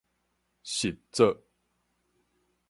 實作